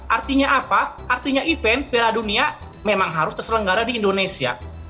artinya apa artinya event piala dunia memang harus terselenggara di indonesia